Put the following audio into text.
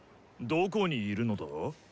どこにいるのだ？